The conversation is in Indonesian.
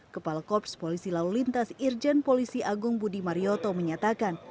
kepala korps polisi lalu lintas irjen polisi agung budi marioto menyatakan